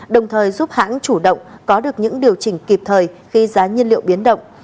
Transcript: đồng thời giúp hãng chủ động có được những điều chỉnh kịp thời khi giá nhiên liệu biến động